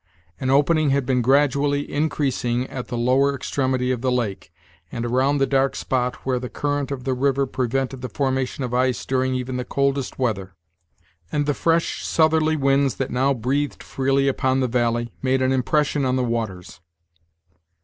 An opening had been gradually increasing at the lower extremity of the lake, and around the dark spot where the current of the river prevented the formation of ice during even the coldest weather; and the fresh southerly winds, that now breathed freely upon the valley, made an impression on the waters.